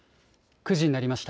９時になりました。